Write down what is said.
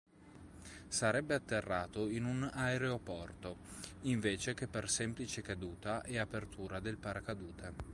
Sarebbe atterrato in un aeroporto, invece che per semplice caduta e apertura del paracadute.